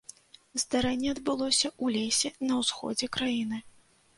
Здарэнне адбылося ў лесе на ўсходзе краіны.